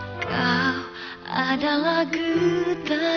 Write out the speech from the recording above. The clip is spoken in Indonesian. nanti gue teman lagi